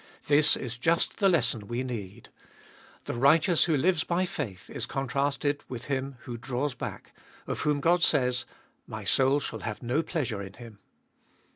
This is just the lesson we need. The righteous who lives by faith is contrasted with him who draws back, of whom God says : My soul 'shall have no pleasure in Him.